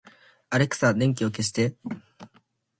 アレクサ、電気を消して